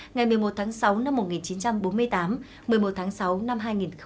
ngày một mươi một tháng sáu năm một nghìn chín trăm bốn mươi tám một mươi một tháng sáu năm hai nghìn một mươi chín